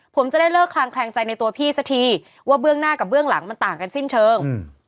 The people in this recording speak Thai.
ผมจะได้เลิกคลางแคลงใจในตัวพี่สักทีว่าเบื้องหน้ากับเบื้องหลังมันต่างกันสิ้นเชิง